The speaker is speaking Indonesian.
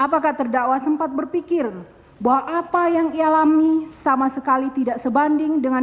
hai apakah terdakwa sempat berpikir bahwa apa yang dialami sama sekali tidak sebanding dengan